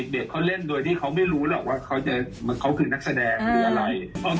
เด็กเขาเล่นโดยที่เขาไม่รู้หรอกว่าเขาคือนักแสดงหรืออะไร